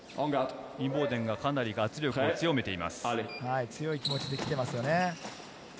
インボーデンがかなり圧力を強い気持ちで来ていますね。